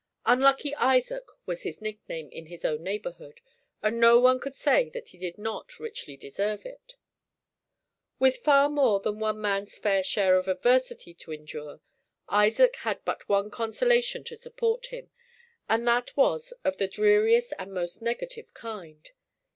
"Unlucky Isaac" was his nickname in his own neighborhood, and no one could say that he did not richly deserve it. With far more than one man's fair share of adversity to endure, Isaac had but one consolation to support him, and that was of the dreariest and most negative kind.